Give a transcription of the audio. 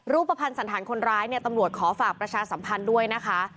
รูปภัณฑ์สันธารคนร้ายเนี่ยตำรวจขอฝากประชาสัมพันธ์ด้วยนะคะ